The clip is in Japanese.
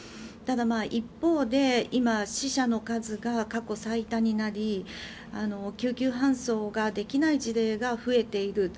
ただ一方で今、死者の数が過去最多になり救急搬送ができない事例が増えている。